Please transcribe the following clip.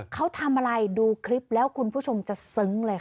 เขาทำอะไรดูคลิปแล้วคุณผู้ชมจะซึ้งเลยค่ะ